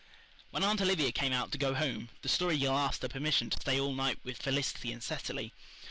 When Aunt Olivia came out to go home the Story Girl asked her permission to stay all night with Felicity and Cecily.